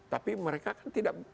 tapi mereka kan tidak